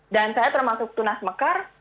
dan saya termasuk tunas mekar